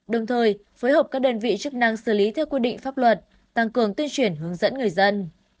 đồng thời phối hợp các đơn vị chức năng xử lý theo quy định pháp luật tăng cường tuyên truyền hướng dẫn người dân